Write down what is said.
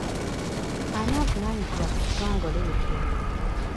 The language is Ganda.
Ani avunaanyizibwa ku kitongole ekyo?